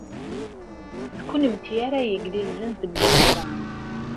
D kennemti ara yeglilzen deg yiẓẓan.